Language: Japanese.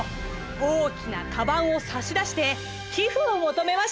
大きなかばんを差し出して寄付を求めました。